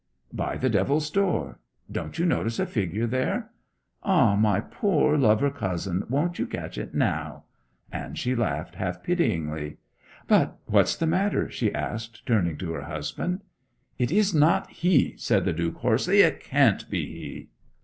'By the Devil's Door; don't you notice a figure there? Ah, my poor lover cousin, won't you catch it now?' And she laughed half pityingly. 'But what's the matter?' she asked, turning to her husband. 'It is not he!' said the Duke hoarsely. 'It can't be he!'